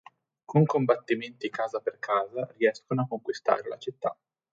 Con combattimenti casa per casa, riescono a conquistare la città.